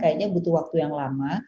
kayaknya butuh waktu yang lama